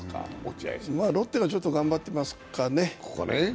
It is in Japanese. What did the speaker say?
ロッテがちょっと頑張ってますかね。